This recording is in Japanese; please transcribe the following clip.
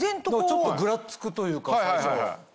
ちょっとぐらつくというか最初。